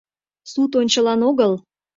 — Суд ончылан огыл.